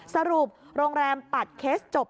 สรุปโรงแรมปัดเคสจบ